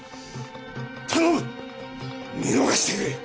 頼む見逃してくれ！